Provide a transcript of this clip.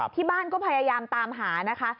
ที่บ้านก็พยายามตามหานะคะ